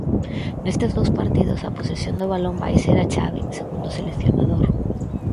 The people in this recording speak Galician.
Nestes dous partidos, a posesión do balón vai ser a chave, segundo o seleccionador.